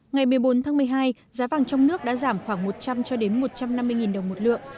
ngày một mươi bốn tháng một mươi hai giá vàng trong nước đã giảm khoảng một trăm linh cho đến một trăm năm mươi đồng một lượng